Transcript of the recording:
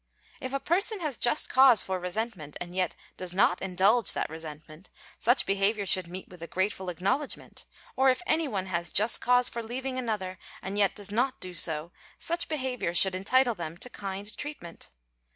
"If a person has just cause for resentment, and yet does not indulge that resentment, such behaviour should meet with a grateful acknowledgment; or if any one has just cause for leaving another and yet does not do so, such behaviour should entitle them to kind treatment.